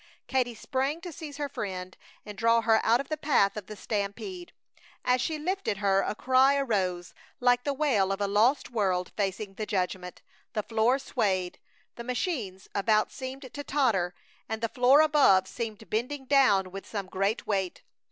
Katie sprang to seize her friend and draw her out of the path of the stampede. As she lifted her a cry arose, like the wail of a lost world facing the judgment. The floor swayed, the machines about seemed to totter, and the floor above seemed bending down with some great weight.